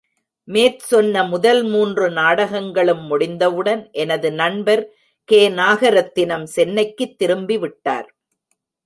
மேற்சொன்ன முதல் மூன்று நாடகங்களும் முடிந்தவுடன் எனது நண்பர் கே. நாகரத்தினம் சென்னைக்குத் திரும்பிவிட்டார்.